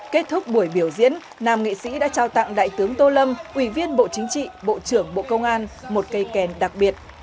kết thúc buổi biểu diễn nam nghệ sĩ đã trao tặng đại tướng tô lâm ủy viên bộ chính trị bộ trưởng bộ công an một cây kèn đặc biệt